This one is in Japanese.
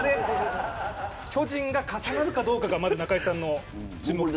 巨人が重なるかどうかがまず中居さんの注目点。